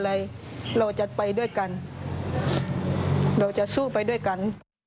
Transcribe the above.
เราจะไปด้วยกันเราจะสู้ไปด้วยกัน